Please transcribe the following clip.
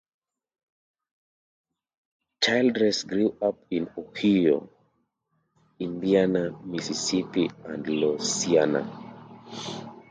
Childress grew up in Ohio, Indiana, Mississippi, and Louisiana.